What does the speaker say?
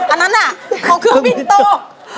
อันนั้นอ่ะเค้าเครื่องบินตก